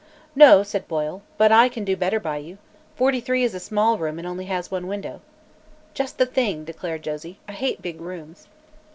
"No," said Boyle, "but I can do better by you. Forty three is a small room and has only one window." "Just the thing!" declared Josie. "I hate big rooms."